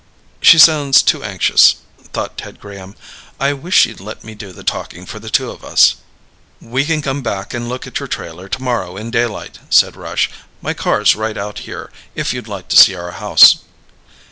She sounds too anxious, thought Ted Graham. I wish she'd let me do the talking for the two of us. "We can come back and look at your trailer tomorrow in daylight," said Rush. "My car's right out here, if you'd like to see our house."